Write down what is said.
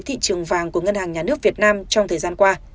thị trường vàng của ngân hàng nhà nước việt nam trong thời gian qua